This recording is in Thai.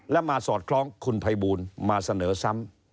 และมาสอดคล้องคุณภัยบูลมาเสนอซ้ำ